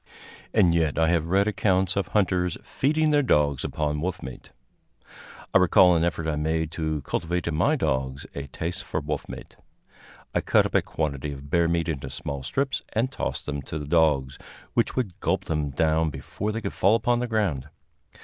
And yet I have read accounts of hunters feeding their dogs upon wolf meat. I recall an effort I made to cultivate in my dogs a taste for wolf meat. I cut up a quantity of bear meat into small strips and tossed them to the dogs, which would gulp them down before they could fall upon the ground.